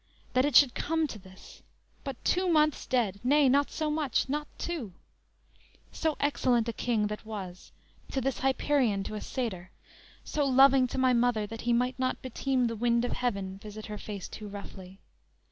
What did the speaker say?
That it should come to this! But two months dead! nay, not so much, not two; So excellent a King, that was, to this Hyperion to a satyr; so loving to my mother, That he might not beteem the wind of heaven Visit her face too roughly.